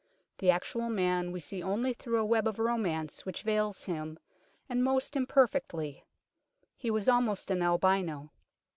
The actual man we see only through a web of romance which veils him, and most imperfectly. He was almost an albino.